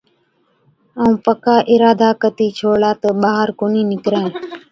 ائُون پڪا اِرادا ڪتِي ڇوڙلا تہ ٻاهر ڪونهِي نِڪرَين۔